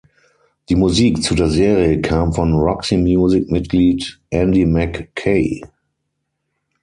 Die Musik zu der Serie kam von Roxy-Music-Mitglied Andy Mackay.